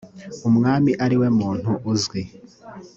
umwami ari we muntu uzwi